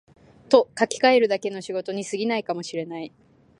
と書きかえるだけの仕事に過ぎないかも知れない